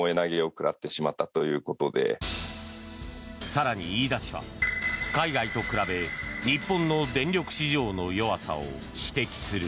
更に飯田氏は海外と比べ日本の電力市場の弱さを指摘する。